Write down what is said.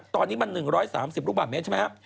ตอนนี้มัน๑๓๐ลูกบาทเมตรใช่ไหมครับ